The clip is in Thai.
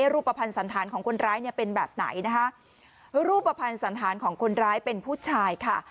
รูปภัณฑ์สันธารของคนร้ายเนี่ยเป็นแบบไหนนะคะรูปภัณฑ์สันธารของคนร้ายเป็นผู้ชายค่ะ